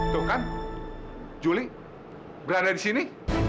tuh kan juli berada di sini